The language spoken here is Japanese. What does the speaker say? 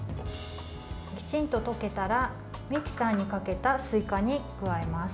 きちんと溶けたらミキサーにかけたすいかに加えます。